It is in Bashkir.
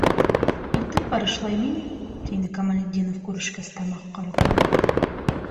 Үтеп барышлай мин... - тине Камалетдинов, күрешкәс, тамаҡ ҡырып.